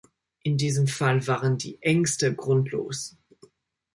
In diesem Fall waren die Ängste grundlos.